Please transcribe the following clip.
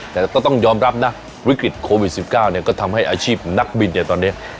แต่ก็ต้องยอมรับนะวิกฤตโควิด๑๙เนี่ยก็ทำให้อาชีพนักบินเนี่ยตอนนี้